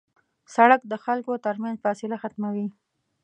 سړک د خلکو تر منځ فاصله ختموي.